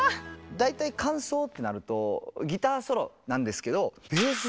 大体間奏ってなるとギターソロなんですけど